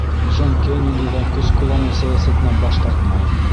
Джон Кеннеди ҙа көс ҡулланыу сәйәсәтенән баш тартмай.